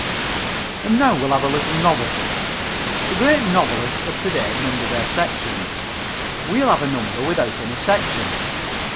(And now we'll have a little novelty. The Great Novelists of to day number their sections. We'll have a number without any section.